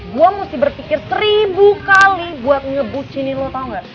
gue mesti berpikir seribu kali buat ngebucinin lu tau gak